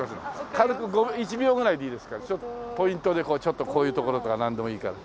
軽く１秒ぐらいでいいですからポイントでちょっとこういうところとかなんでもいいから。